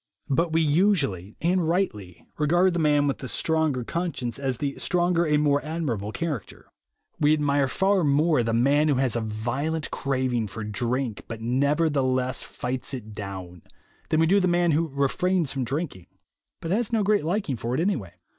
But we usually, and rightly, regard the man with the stronger conscience as the stronger and more admirable character. We admire far more the man who has a violent craving for drink, but neverthe less fights it down, than we do the man who refrains 26 THE WAY TO WILL POWER from drinking, but has no great liking for it any way.